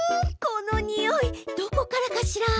このにおいどこからかしら？